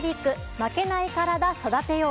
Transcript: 「負けないカラダ、育てよう」。